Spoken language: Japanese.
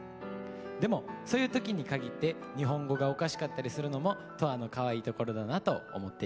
でもそういう時にかぎって日本語がおかしかったりするのも斗亜のかわいいところだなと思っています。